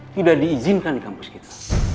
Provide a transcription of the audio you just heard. tidak diizinkan di kampus kita